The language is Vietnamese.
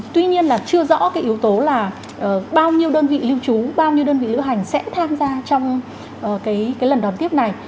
tuy nhiên là chưa rõ cái yếu tố là bao nhiêu đơn vị lưu trú bao nhiêu đơn vị lữ hành sẽ tham gia trong cái lần đón tiếp này